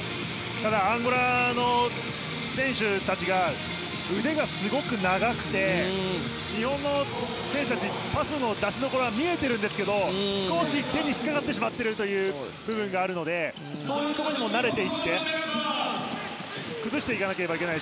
しかしアンゴラの選手たちは腕がすごく長くて日本の選手たちはパスの出しどころは見えているんですが少し手に引っかかっている部分があるのでそういうところにも慣れていって崩していかないと。